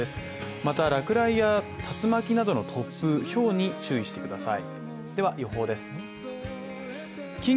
また落雷や竜巻などの突風、ひょうに注意してください